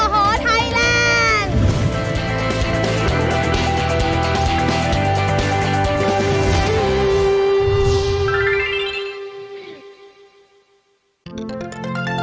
อฮไทยแลนด์